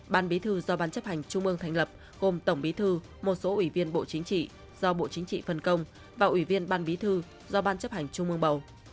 ban bí thư do ban chấp hành trung ương thành lập gồm tổng bí thư một số ủy viên bộ chính trị do bộ chính trị phân công và ủy viên ban bí thư do ban chấp hành trung ương bầu